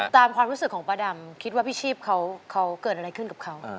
ความรู้สึกของป้าดำคิดว่าพี่ชีพเขาเกิดอะไรขึ้นกับเขา